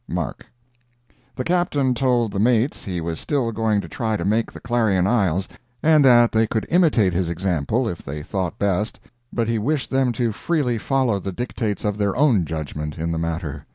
—MARK.] The Captain told the mates he was still going to try to make the Clarion Isles, and that they could imitate his example if they thought best, but he wished them to freely follow the dictates of their own judgment in the matter.